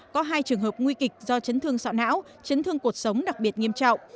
có hai trường hợp nguy kịch do chấn thương sọ não chấn thương cuộc sống đặc biệt nghiêm trọng